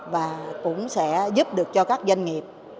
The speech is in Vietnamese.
và cũng sẽ giúp được cho các doanh nghiệp